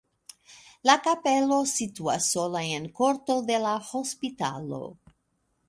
La kapelo situas sola en korto de la hospitalo.